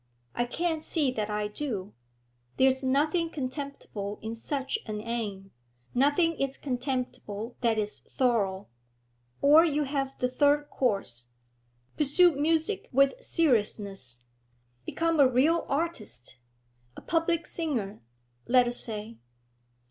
'I can't see that I do. There is nothing contemptible in such an aim; nothing is contemptible that is thorough. Or you have the third course. Pursue music with seriousness. Become a real artist; a public singer, let us say.